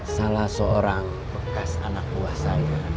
salah seorang bekas anak buah saya